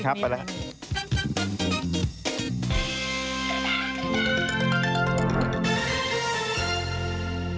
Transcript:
กันให้เพียง